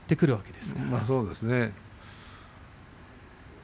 まあ、そうですね。